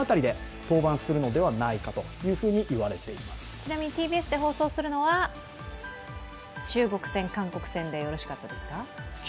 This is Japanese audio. ちなみにＴＢＳで放送するのは、中国戦、韓国戦でよろしかったですかき？